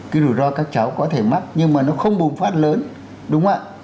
cái rủi ro các cháu có thể mắc nhưng mà nó không bùng phát lớn đúng không ạ